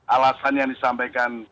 alasan yang disampaikan